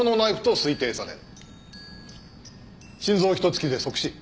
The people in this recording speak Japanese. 心臓をひと突きで即死。